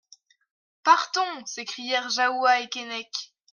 Partons ! s'écrièrent Jahoua et Keinec.